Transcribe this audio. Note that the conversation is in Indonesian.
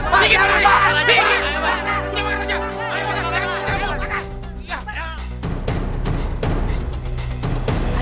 pak pak pak